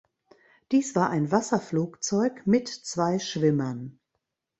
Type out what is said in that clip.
Dies war ein Wasserflugzeug mit zwei Schwimmern.